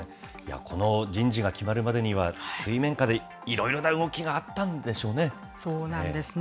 この人事が決まるまでには、水面下でいろいろな動きがあったんでしょうね。